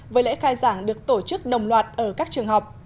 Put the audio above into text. với lễ khai giảng được tổ chức nồng loạt ở các trường học